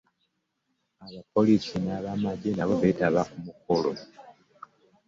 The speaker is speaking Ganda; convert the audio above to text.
Abapoliisi n'abamagye nabo beetaba ku mukolo.